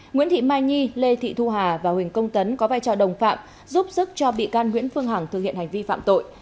nguyễn thị mai nhi lê thị thu hà và huỳnh công tấn có vai trò đồng phạm giúp sức cho bị can nguyễn phương hằng thực hiện hành vi phạm tội